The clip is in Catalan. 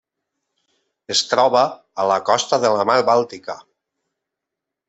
Es troba a la costa de la Mar Bàltica.